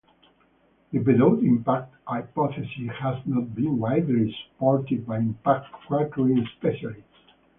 The Bedout impact hypothesis has not been widely supported by impact cratering specialists.